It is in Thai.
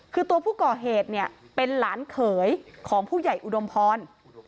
คือตัวผู้ก่อเหตุเนี่ยเป็นหลานเขยของผู้ใหญ่อุดมพร